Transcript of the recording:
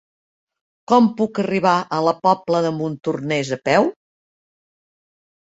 Com puc arribar a la Pobla de Montornès a peu?